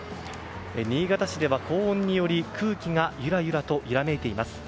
新潟市では高温により空気がゆらゆら揺らめいています。